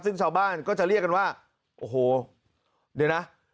ซึ่งชาวบ้านก็จะเรียกกันว่าโอ้โหเดี๋ยวนะ